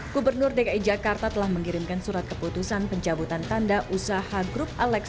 gubernur dki jakarta telah mengirimkan surat keputusan pencabutan tanda usaha grup alex